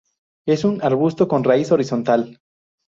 Es un arbusto con raíz horizontal.